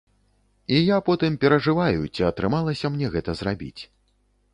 І я потым перажываю, ці атрымалася мне гэта зрабіць.